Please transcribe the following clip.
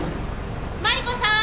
マリコさん！